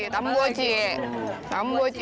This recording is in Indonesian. tambah lagi tambah lagi